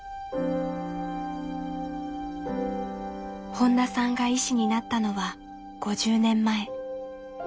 本田さんが医師になったのは５０年前。